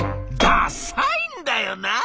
「ダサいんだよな」。